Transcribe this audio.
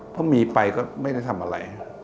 เพราะมีไปก็ไม่ได้ทำอะไร